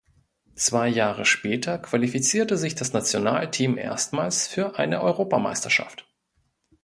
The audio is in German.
Zwei Jahre später qualifizierte sich das Nationalteam erstmals für eine Europameisterschaft.